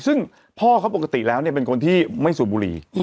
ซึ่งพ่อเขาปกติแล้วเป็นคนที่ไม่สูบบุหรี่